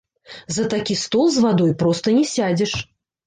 За такі стол з вадой проста не сядзеш.